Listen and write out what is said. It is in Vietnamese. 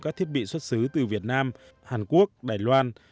các thiết bị xuất xứ từ việt nam hàn quốc đài loan